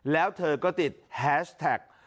แล้วเธอก็ติดแฮชแท็ก